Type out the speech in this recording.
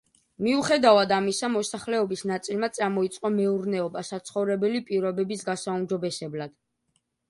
მიუხედავად ამისა, მოსახლეობის ნაწილმა წამოიწყო მეურნეობა საცხოვრებელი პირობების გასაუმჯობესებლად.